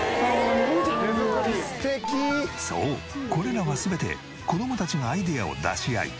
そうこれらは全て子供たちがアイデアを出し合い手作りしたもの。